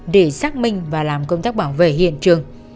để xác minh và làm công tác bảo vệ hiện trường